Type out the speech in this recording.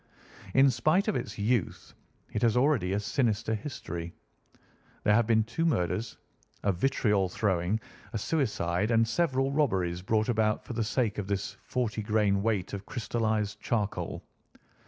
In spite of its youth, it has already a sinister history. There have been two murders, a vitriol throwing, a suicide, and several robberies brought about for the sake of this forty grain weight of crystallised charcoal.